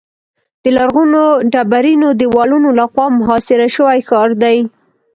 د لرغونو ډبرینو دیوالونو له خوا محاصره شوی ښار دی.